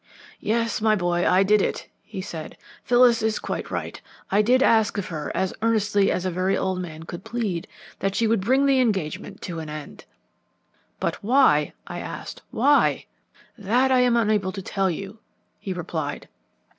"'Yes, my boy, I did it,' he said. 'Phyllis is quite right. I did ask of her, as earnestly as a very old man could plead, that she would bring the engagement to an end.' "'But why?' I asked. 'Why?' "'That I am unable to tell you,' he replied.